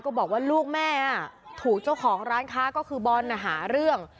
บอกว่าลูกแม่ถูกเจ้าของร้านค้าก็คือบอลหาเรื่อง